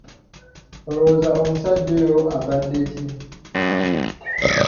Olowooza omusajja oyo abadde ki?